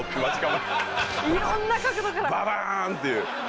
ババンっていう。